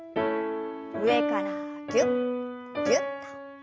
上からぎゅっぎゅっと。